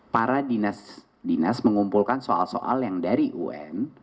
para dinas mengumpulkan soal soal yang dari un